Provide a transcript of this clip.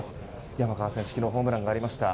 山川選手もホームランがありました。